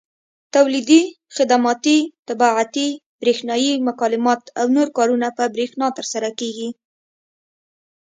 تولیدي، خدماتي، طباعتي، برېښنایي مکالمات او نور کارونه په برېښنا ترسره کېږي.